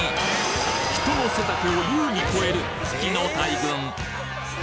人の背丈を優に超えるフキの大群！